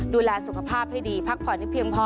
ดูแลสุขภาพให้ดีพักผ่อนให้เพียงพอ